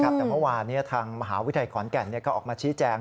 แต่เมื่อวานทางมหาวิทยาลัยขอนแก่นก็ออกมาชี้แจง